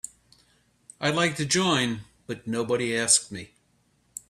I'd like to join but nobody asked me.